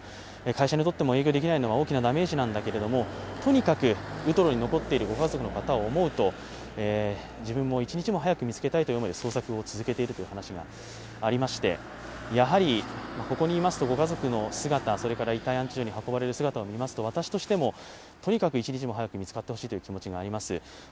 会社にとっても営業ができないのは大きなダメージなのだけれどとにかくウトロに残っているご家族の方を思うと自分も一日も早く見つけたいという思いで捜索を続けているというのもありまして、やはり、ここにいますと、ご家族の姿、遺体安置所に運ばれる姿を見ますと、私としてもとにかく一日も早く見つかってほしいという気持はあります。